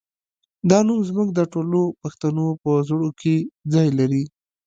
دا نوم زموږ د ټولو پښتنو په زړونو کې ځای لري